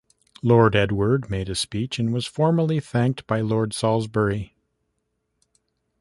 Lord Edward made a speech, and was formally thanked by Lord Salisbury.